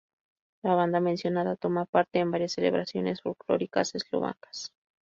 La banda mencionada toma parte en varias celebraciones folclóricas eslovacas.